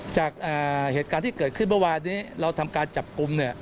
จากเหตุการณ์ที่เกิดขึ้นเมื่อวานนี้เราทำการจับกลุ่มเนี่ย